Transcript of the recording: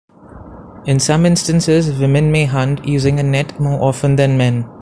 In some instances women may hunt using a net more often than men.